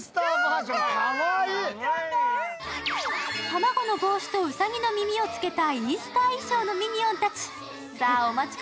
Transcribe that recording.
卵の帽子とうさぎの耳をつけたイースター衣装のミニオンたち。